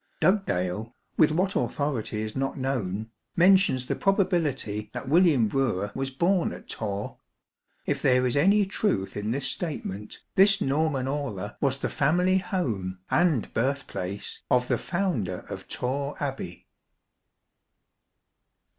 Dugdale, with what authority is not known, mentions the probability that William Brewer was born at Torre ; if there is any truth in this statement, this Norman aula was the family home and birthplace of the founder of Torre Abbey.